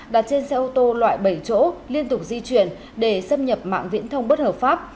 đặt trên xe ô tô loại bảy chỗ liên tục di chuyển để xâm nhập mạng viễn thông bất hợp pháp